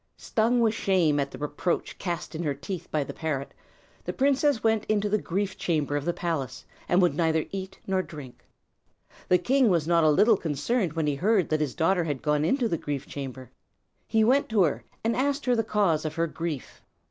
Stung with shame at the reproach cast in her teeth by the parrot, the princess went into the grief chamber of the palace, and would neither eat nor drink. The king was not a little concerned when he heard that his daughter had gone into the grief chamber. He went to her, and asked her the cause of her grief.